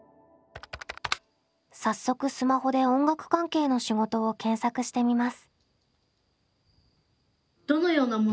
早速スマホで音楽関係の仕事を検索してみます。